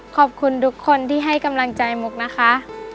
ขอบคุณทุกคนที่ให้กำลังใจมุกนะคะ